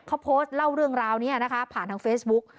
เขาโพสต์เล่าเรื่องราวนี้นะคะผ่านทางเฟซบุ๊ก